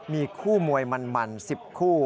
มีคู่มวยมัน๑๐คู่